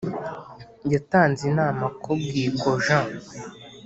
Yatanze inama ko bwiko jean